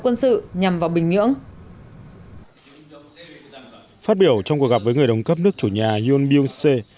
quân sự nhằm vào bình nhưỡng phát biểu trong cuộc gặp với người đồng cấp nước chủ nhà yoon biose